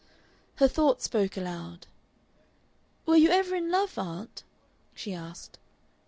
Her thought spoke aloud. "Were you ever in love, aunt?" she asked.